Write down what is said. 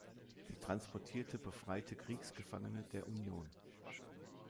Sie transportierte befreite Kriegsgefangene der Union.